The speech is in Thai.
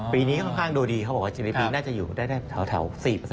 ปีนี้ค่อนข้างดูดีเขาบอกว่าชีวิตปีน่าจะอยู่ได้แถว๔